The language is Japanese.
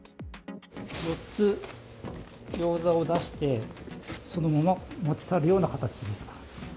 ４つギョーザを出して、そのまま持ち去るような形でした。